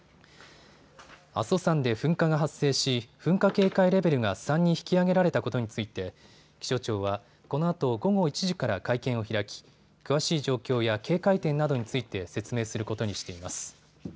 阿蘇山で噴火が発生し噴火警戒レベルが３に引き上げられたことについて気象庁は、このあと午後１時から会見を開き、詳しい状況や警戒点などについて説明することにしています。